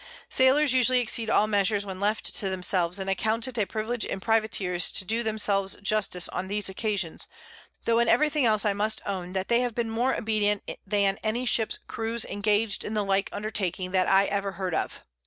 Sailors usually exceed all Measures when left to themselves, and account it a Privilege in Privateers to do themselves Justice on these Occasions, tho' in every thing else I must own, they have been more obedient than any Ship's Crews engag'd in the like Undertaking that ever I heard of.